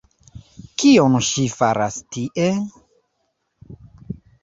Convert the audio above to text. Kion ŝi faras tie?